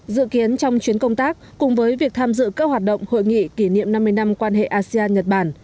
dự kiến trong chuyến công tác cùng với việc tham dự các hoạt động hội nghị kỷ niệm năm mươi năm quan hệ asean nhật bản